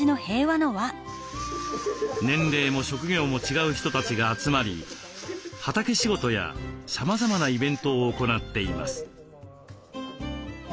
年齢も職業も違う人たちが集まり畑仕事やさまざまなイベントを行っています。